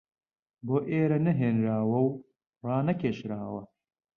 بۆ ئێرە نەهێنراوە و ڕانەکێشراوە